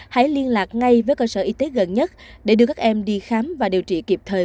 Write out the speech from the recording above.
hãy liên lạc ngay với cơ sở y tế gần nhất để đưa các em đi khám và điều trị kịp thời